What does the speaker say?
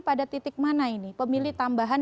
pada titik mana ini pemilih tambahan